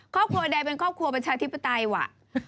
ครอบครัวใดเป็นครอบครัวประชาธิปไตยว่ะ